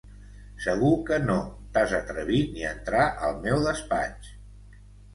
Segur que no t'has atrevit ni a entrar al meu despatx!